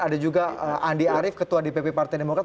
ada juga andi arief ketua dpp partai demokrat